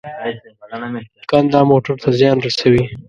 کنده موټر ته زیان رسوي.